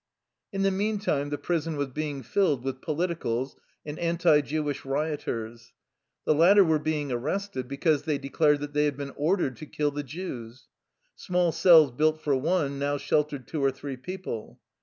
In the meantime the prison was being filled with politicals and anti Jewish rioters. The lat ter were being arrested because they declared that they had been ordered to "kill the Jews." Small cells built for one now sheltered two or three people.